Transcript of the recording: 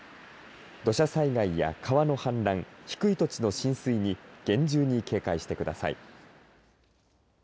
土砂災害や川の氾濫低い土地の浸水に厳重に警戒してください。